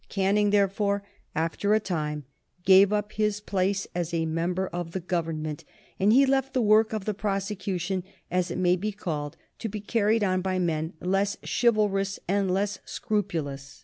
Canning, therefore, after a time, gave up his place as a member of the Government, and he left the work of the prosecution, as it may be called, to be carried on by men less chivalrous and less scrupulous.